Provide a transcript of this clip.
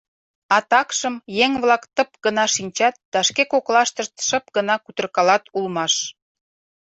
А такшым еҥ-влак тып гына шинчат да шке коклаштышт шып гына кутыркалат улмаш.